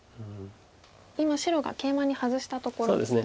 今白がケイマにハズしたところですね。